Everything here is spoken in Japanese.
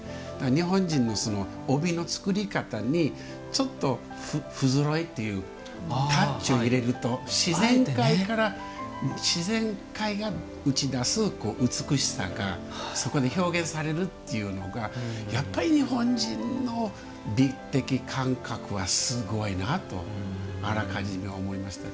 日本人の帯の作り方にちょっと不ぞろいっていうタッチを入れると自然界が打ち出す美しさがそこに表現されるというのが日本人の美的感覚はすごいなと改めて思いました。